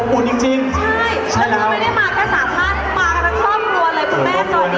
อบอุ่นจริงจริง